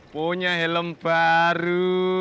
punya helm baru